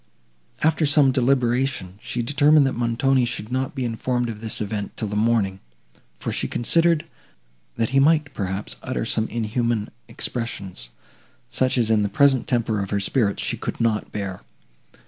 After some deliberation, she determined that Montoni should not be informed of this event till the morning, for she considered, that he might, perhaps, utter some inhuman expressions, such as in the present temper of her spirits she could not bear.